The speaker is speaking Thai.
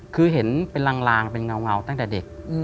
คือเห็นเป็นลางเป็นเงาตั้งแต่เด็ก